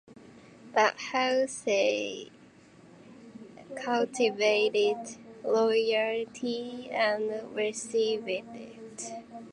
But Halsey cultivated loyalty and received it.